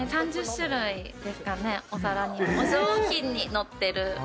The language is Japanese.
３０種類ですかね、お皿にお上品に載ってる。